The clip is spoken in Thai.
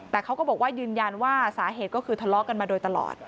แต่เขาก็บอกว่ายืนยันว่าสาเหตุก็คือทะเลาะกันมาโดยตลอด